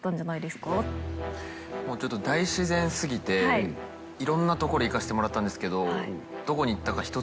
もうちょっと大自然過ぎていろんな所行かせてもらったんですけど。